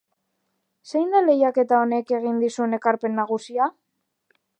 Zein da lehiaketa honek egin dizu ekarpen nagusia?